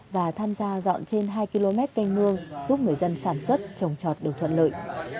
và tham gia dọn trên hai km canh mương giúp người dân sản xuất trồng trọt được thuận lợi